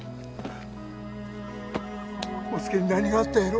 康介に何があったんやろ